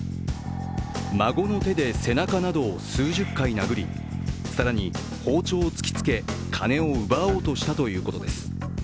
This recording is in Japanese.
孫の手で背中などを数十回殴り更に包丁を突きつけ金を奪おうとしたということです。